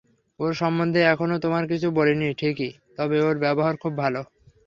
ওর সম্বন্ধে এখনো তোমায় কিছু বলিনি ঠিকই, তবে ওর ব্যবহার খুব ভালো।